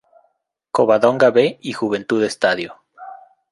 Covadonga "B" y Juventud Estadio.